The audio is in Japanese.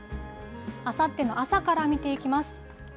あさっての朝から見ていきます。